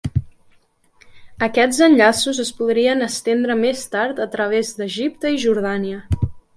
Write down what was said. Aquests enllaços es podrien estendre més tard a través d'Egipte i Jordània.